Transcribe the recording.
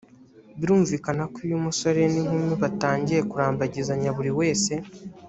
birumvikana ko iyo umusore n inkumi batangiye kurambagizanya buri wese